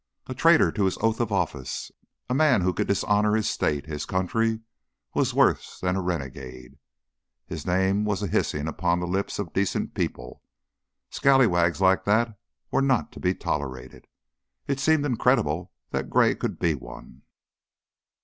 A traitor to his oath of office, a man who could dishonor his state, his country, was worse than a renegade; his name was a hissing upon the lips of decent people. Scalawags like that were not to be tolerated. It seemed incredible that Gray could be one.